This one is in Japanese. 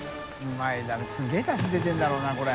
Δ泙い世蹐すげぇだし出てるんだろうなこれ。